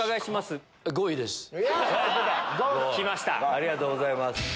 ありがとうございます。